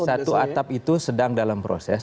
satu atap itu sedang dalam proses